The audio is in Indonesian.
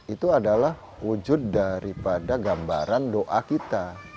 itu adalah wujud daripada gambaran doa kita